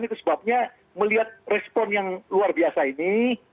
itu sebabnya melihat respon yang luar biasa ini